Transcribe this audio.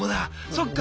そっか。